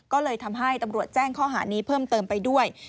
ก็เลยทำให้ตำรวจแจ้งข้อหานี้เพิ่มเติมไปด้วย